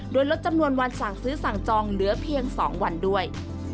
โดยลดจำนวนวันสั่งซื้อสั่งจองเหลือเพียง๒วันด้วย